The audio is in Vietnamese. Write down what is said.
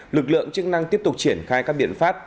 lực lượng chức năng tiếp tục triển khai các biện pháp